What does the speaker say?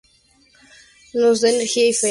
Nos da energía y fe.